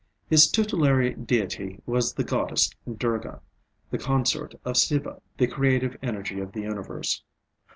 His tutelary deity was the goddess Durga, the consort of Siva, the creative Energy of the Universe.